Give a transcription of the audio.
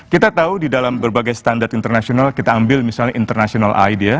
kita tahu di dalam berbagai standar internasional kita ambil misalnya international idea